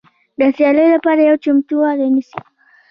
د سیالۍ لپاره پوره چمتووالی نیسي.